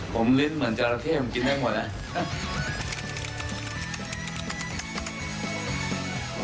ผมลิ่นแบบเจราะเทพคือกินได้หมดละ